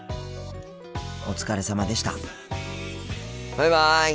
お疲れさまでした。